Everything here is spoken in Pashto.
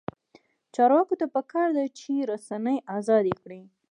چارواکو ته پکار ده چې، رسنۍ ازادې کړي.